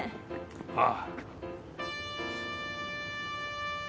ああ。